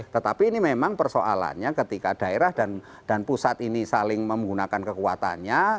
tetapi ini memang persoalannya ketika daerah dan pusat ini saling menggunakan kekuatannya